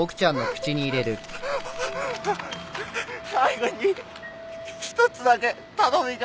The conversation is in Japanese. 最後に一つだけ頼みが。